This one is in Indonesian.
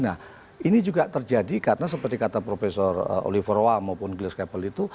nah ini juga terjadi karena seperti kata profesor oliver wa maupun gilles kahn